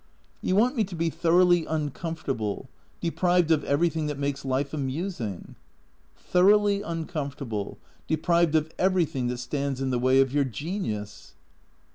" You want me to be thoroughly uncomfortable ? Deprived of everything that makes life amusing ?"" Thoroughly uncomfortable. Deprived of everything that stands in the way of your genius."